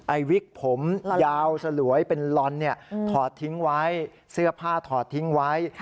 วิกผมยาวสลวยเป็นลอนเนี่ยถอดทิ้งไว้เสื้อผ้าถอดทิ้งไว้